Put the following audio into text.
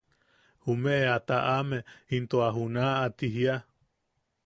jumeʼe a taʼame into a junaʼa ti jiia.